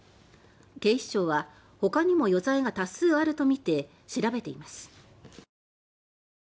警視庁は、ほかにも余罪が多数あるとみて調べています。